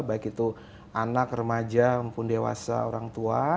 baik itu anak remaja maupun dewasa orang tua